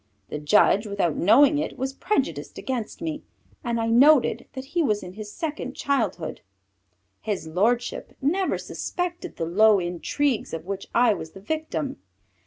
The judge, without knowing it, was prejudiced against me, and I noted that he was in his second childhood. His lordship never suspected the low intrigues of which I was the victim.